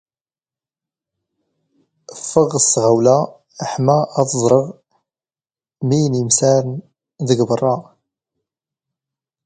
ⴼⴼⵖⵖ ⵙ ⵜⵖⴰⵡⵍⴰ ⵃⵎⴰ ⴰⴷ ⵥⵕⵖ ⵎⵉⵏ ⵉⵎⵙⴰⵔⵏ ⴷⴳ ⴱⵕⵕⴰ.